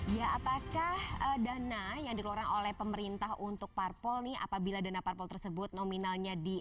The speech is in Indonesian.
ya apakah dana yang dikeluarkan oleh pemerintah untuk parpol nih apabila dana parpol tersebut nominalnya di